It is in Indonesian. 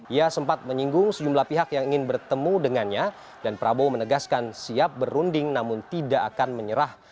ia sempat menyinggung sejumlah pihak yang ingin bertemu dengannya dan prabowo menegaskan siap berunding namun tidak akan menyerah